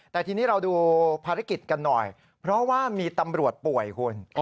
แต่ทีนี้เราดูภารกิจกันหน่อยเพราะว่ามีตำรวจป่วยคุณ